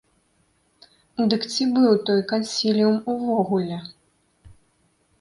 Дык ці быў той кансіліум увогуле?